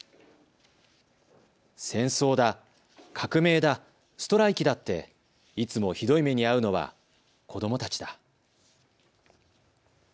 戦争だ、革命だ、ストライキだって、いつもひどい目にあうのは子どもたちだ。